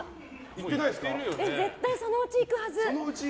絶対、そのうち行くはず！